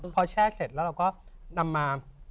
พอแช่เสร็จแล้วเราก็นำมา